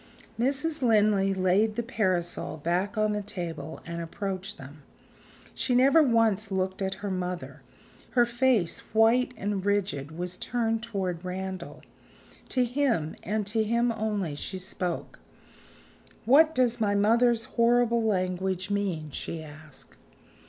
Mrs. Linley laid the parasol back on the table, and approached them. She never once looked at her mother; her face, white and rigid, was turned toward Randal. To him, and to him only, she spoke. "What does my mother's horrible language mean?" she asked.